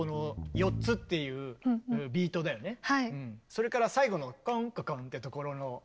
それから最後のコンココンってところの味。